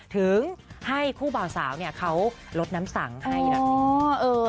ถึงให้คู่เปล่าสาวเขารดน้ำสั่งให้